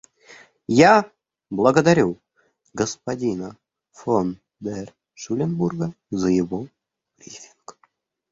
Я благодарю господина фон дер Шуленбурга за его брифинг.